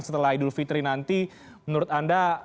setelah idul fitri nanti menurut anda